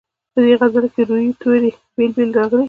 په دې غزل کې روي توري بېل بېل راغلي.